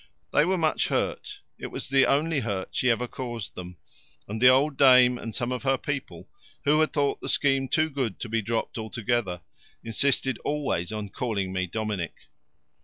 They were much hurt it was the only hurt she ever caused them and the old dame and some of her people, who had thought the scheme too good to be dropped altogether, insisted always on calling me Dominic!